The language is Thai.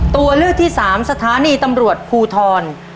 ตัวเลือกที่๓สถานีตำรวจภูทร